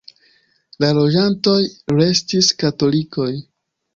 La loĝantoj restis katolikoj.